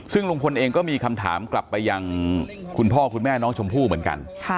ซึ่งลุงพลเองก็มีคำถามกลับไปยังคุณพ่อคุณแม่น้องชมพู่เหมือนกัน